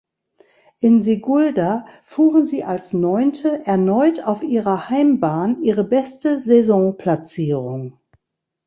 In Sigulda fuhren sie als Neunte erneut auf ihrer Heimbahn ihre beste Saisonplatzierung.